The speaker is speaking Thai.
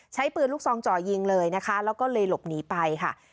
ใช้ปืนลูกซองจ่อยิงเลยนะคะแล้วก็เลยหลบหนีไปค่ะ